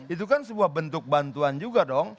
itu kan sebuah bentuk bantuan juga dong